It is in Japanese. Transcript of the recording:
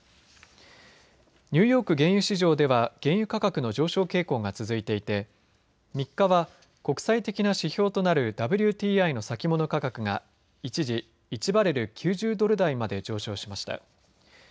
ニューヨーク原油市場では原油価格の上昇傾向が続いていて３日は国際的な指標となるＷＴＩの先物価格が一時、１バレル９０ドル台まで上昇しました。